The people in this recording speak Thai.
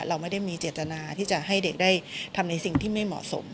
เราไม่ได้มีเจตนาที่จะให้เด็กได้ทำในสิ่งที่ไม่เหมาะสม